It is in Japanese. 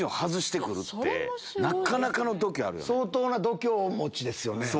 相当な度胸をお持ちですよね。